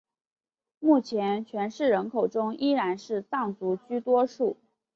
目前全市人口中依然是藏族居多数。